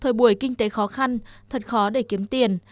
thời buổi kinh tế khó khăn thật khó để kiếm tiền